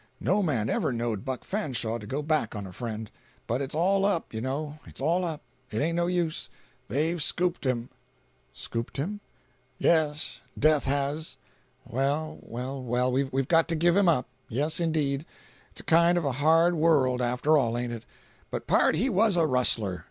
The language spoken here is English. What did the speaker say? No man ever knowed Buck Fanshaw to go back on a friend. But it's all up, you know, it's all up. It ain't no use. They've scooped him." "Scooped him?" "Yes—death has. Well, well, well, we've got to give him up. Yes indeed. It's a kind of a hard world, after all, ain't it? But pard, he was a rustler!